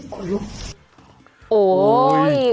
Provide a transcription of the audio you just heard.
คุณลุก